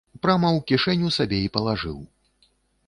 Прама ў кішэню сабе й палажыў.